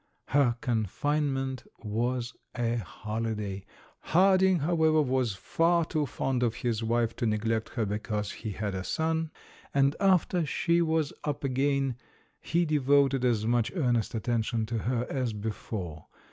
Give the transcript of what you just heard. Her confinement was a hoHday. Harding, however, was far too fond of his wife to neglect her because he had a son, and after she was up again, he devoted as much earnest attention to her as before.